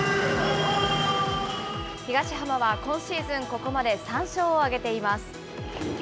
東浜は今シーズンここまで３勝を挙げています。